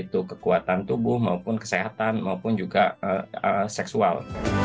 itu kekuatan tubuh maupun kesehatan maupun juga seksual